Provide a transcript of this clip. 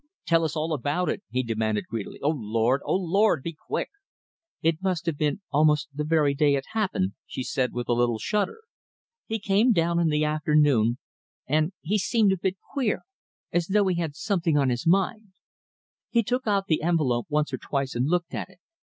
"Tell us all about it," he demanded greedily. "Oh, Lord! Oh, Lord! Be quick!" "It must have been almost the very day it happened," she said, with a little shudder. "He came down in the afternoon and he seemed a bit queer, as though he had something on his mind. He took out the envelope once or twice and looked at it.